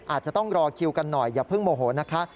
อาจจะต้องรอคิวกันหน่อยอย่าเพิ่งโมโหนะคะ